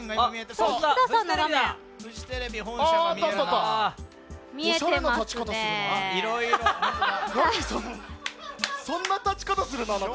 そんな立ち方するの、あなた。